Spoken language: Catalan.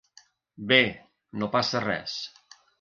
Bé, no passa res.